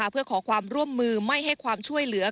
เพื่อขอความร่วมมือไม่ให้ความช่วยเหลือ